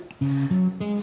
sebagai nama ya